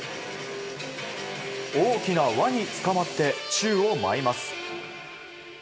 大きな輪につかまって宙を舞います。